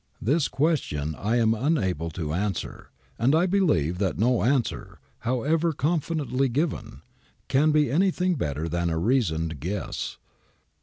This question I am unable to answer, and I believe that no answer, however con fidently given, can be anything better than a reasoned guess.